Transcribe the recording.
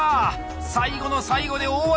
最後の最後で大技！